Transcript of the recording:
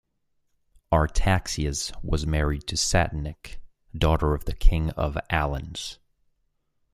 Artaxias was married to Satenik, daughter of the king of Alans.